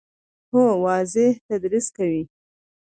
هو، واضح تدریس کوي